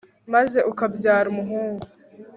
maze ukabyara umuhungu